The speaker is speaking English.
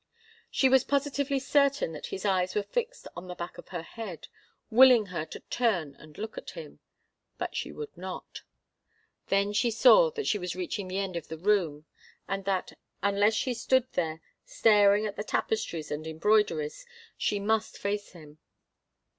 She was positively certain that his eyes were fixed on the back of her head, willing her to turn and look at him; but she would not. Then she saw that she was reaching the end of the room, and that, unless she stood there staring at the tapestries and embroideries, she must face him.